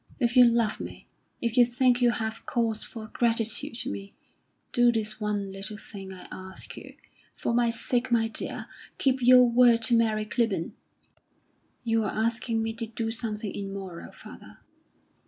If you love me, if you think you have cause for gratitude to me, do this one little thing I ask you! For my sake, my dear, keep your word to Mary Clibborn." "You're asking me to do something immoral, father."